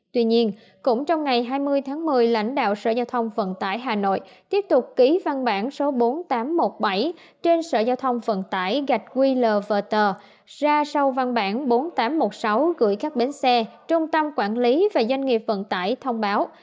tuy nhiên cũng trong ngày hai mươi tháng một mươi lãnh đạo sở giao thông vận tải hà nội tiếp tục ký văn bản số bốn nghìn tám trăm một mươi bảy trên sở giao thông vận tải gạch qlverter ra sau văn bản bốn nghìn tám trăm một mươi sáu gửi các bến xe trung tâm quản lý và doanh nghiệp vận tải thông báo